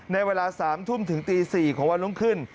ในเวลา๓ทุ่มถึงตี๔ของวันรุ่งขึ้น